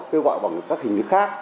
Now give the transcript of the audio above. kêu gọi bằng các hình thức khác